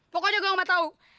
pokoknya gue gak tau